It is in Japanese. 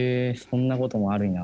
そんなこともあるんよ。